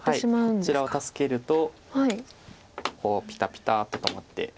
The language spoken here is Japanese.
こちらを助けるとこうピタピタッと止まって。